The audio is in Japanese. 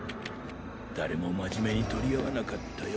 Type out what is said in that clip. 誰も真面目に取り合わなかったよ。